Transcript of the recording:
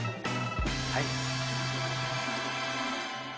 はい。